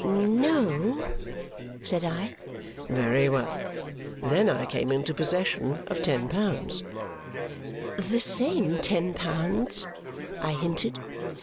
"No," said I. "Very well! Then I came into possession of ten pounds " "The same ten pounds," I hinted.